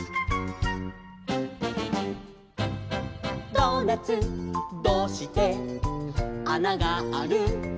「ドーナツどうしてあながある？」